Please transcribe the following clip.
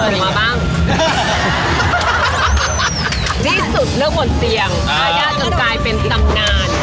ที่สุดเลือกผ่อนเตียงถ้ายากจนกลายเป็นสำนาญ